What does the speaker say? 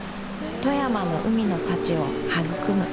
富山の海の幸を育む